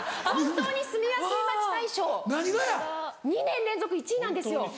２年連続１位なんですよ。